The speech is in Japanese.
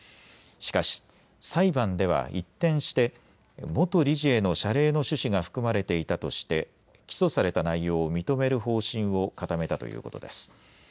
しかし裁判では一転して元理事への謝礼の趣旨が含まれていたとして起訴された内容を認める方針を固めたということです。